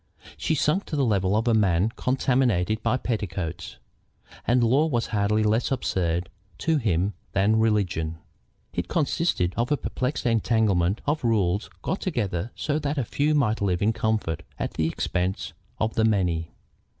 She sunk to the level of a man contaminated by petticoats. And law was hardly less absurd to him than religion. It consisted of a perplexed entanglement of rules got together so that the few might live in comfort at the expense of the many.